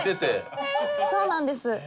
はいそうなんです。